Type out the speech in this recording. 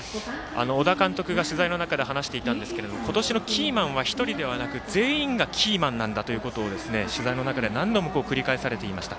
小田監督が取材の中で話していたんですけれども今年のキーマンは一人ではなくて全員がキーマンなんだということを取材の中で何度も繰り返されていました。